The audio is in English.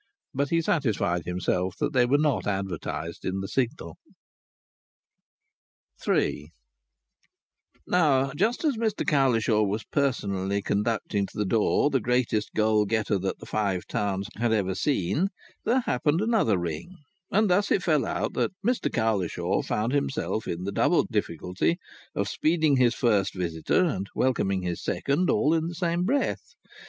But he satisfied himself that they were not advertised in the Signal. III Now, just as Mr Cowlishaw was personally conducting to the door the greatest goal getter that the Five Towns had ever seen there happened another ring, and thus it fell out that Mr Cowlishaw found himself in the double difficulty of speeding his first visitor and welcoming his second all in the same breath.